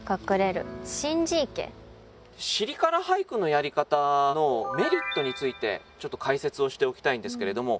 「尻から俳句」のやり方のメリットについてちょっと解説をしておきたいんですけれども。